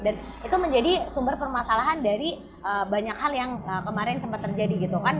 itu menjadi sumber permasalahan dari banyak hal yang kemarin sempat terjadi gitu kan